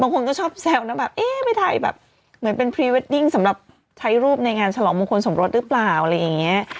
คนก็ชอบแซวนะแบบเอ๊ะไม่ถ่ายแบบเหมือนเป็นพรีเวดดิ้งสำหรับใช้รูปในงานฉลองมงคลสมรสหรือเปล่าอะไรอย่างนี้